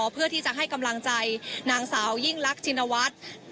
เพื่อที่จะให้กำลังใจนางสาวยิ่งรักชินวัฒน์